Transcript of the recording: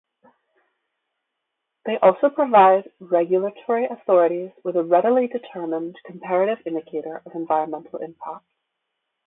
They also provide regulatory authorities with a readily-determined, comparative indicator of environmental impact.